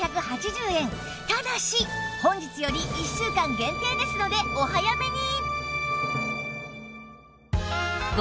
ただし本日より１週間限定ですのでお早めに！